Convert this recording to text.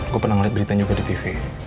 gue pernah ngeliat berita juga di tv